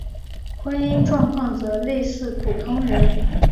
婚姻状况则类似普通人。